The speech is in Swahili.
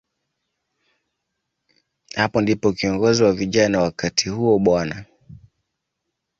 Hapo ndipo kiongozi wa vijana wakati huo, Bw.